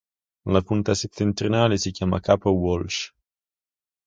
La punta settentrionale si chiama capo Walsh.